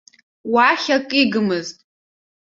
Уахь акы игмызт.